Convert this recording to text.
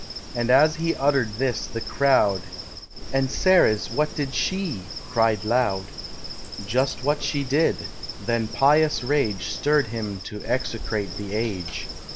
And as he utter'd this, the crowd "And Ceres, what did she?" cried loud. "Just what she did: then pious rage Stirr'd him to execrate the age.